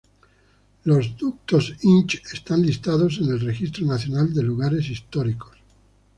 Los ductos Inch están listados en el Registro Nacional de Lugares Históricos.